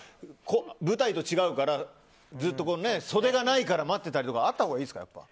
舞台と違うからずっと袖がないから待っていたりとかあったほうがいいですか？